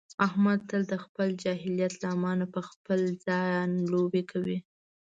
احمد تل د خپل جاهلیت له امله په خپل ځان لوبې کوي.